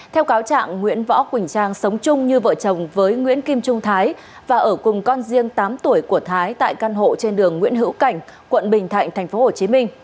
theo cáo trạng nguyễn võ quỳnh trang sống chung như vợ chồng với nguyễn kim trung thái và ở cùng con riêng tám tuổi của thái tại căn hộ trên đường nguyễn hữu cảnh quận bình thạnh tp hcm